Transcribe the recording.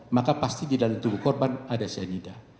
maka pasti di dalam tubuh korban ada cyanida